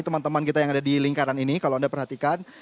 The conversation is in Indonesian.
teman teman kita yang ada di lingkaran ini kalau anda perhatikan